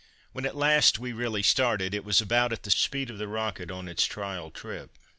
When at last we really started, it was about at the speed of the "Rocket" on its trial trip.